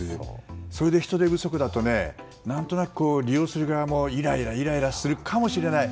それで人手不足だと何となく、利用する側もイライラするかもしれない。